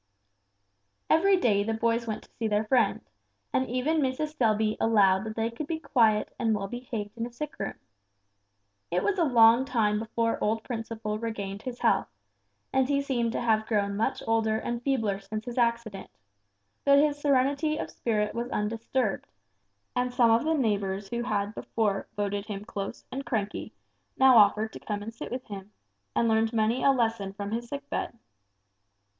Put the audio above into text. Every day the boys went to see their friend, and even Mrs. Selby allowed that they could be quiet and well behaved in a sick room. It was a long time before old Principle regained his health, and he seemed to have grown much older and feebler since his accident; but his serenity of spirit was undisturbed, and some of the neighbors who had before voted him close and cranky, now offered to come and sit with him, and learned many a lesson from his sickbed.